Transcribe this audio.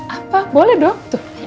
apa boleh dong